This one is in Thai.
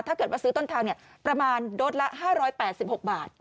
ถ้าเกิดว่าซื้อต้นทางประมาณโดสละ๕๘๖บาท